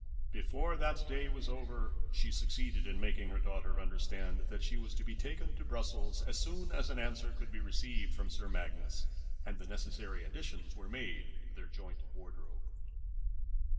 Before that day was over she succeeded in making her daughter understand that she was to be taken to Brussels as soon as an answer could be received from Sir Magnus and the necessary additions were made to their joint wardrobe.